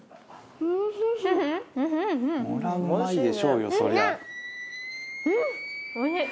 うん！